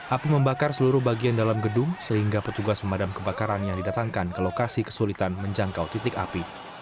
api membakar seluruh bagian dalam gedung sehingga petugas pemadam kebakaran yang didatangkan ke lokasi kesulitan menjangkau titik api